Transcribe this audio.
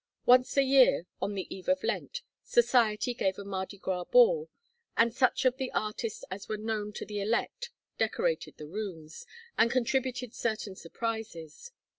Once a year, on the eve of Lent, Society gave a Mardi Gras ball, and such of the artists as were known to the elect decorated the rooms, and contributed certain surprises.